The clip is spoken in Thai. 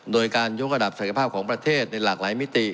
โดยการยกระดับศักยภาพของประเทศในหลากหลายมิติ